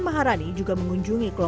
masyarakat yang kemudian membutuhkan rentuan